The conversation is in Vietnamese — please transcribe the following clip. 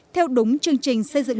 theo đúng chương trình xây dựng